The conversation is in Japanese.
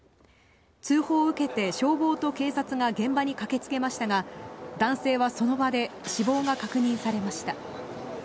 通報を受けて消防と警察が現場に駆けつけましたが、男性はその場で死亡が確認されました。